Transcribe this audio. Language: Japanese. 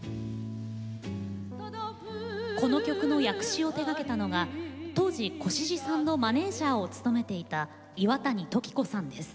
この曲の訳詞を手がけたのが当時越路さんのマネージャーを務めていた岩谷時子さんです。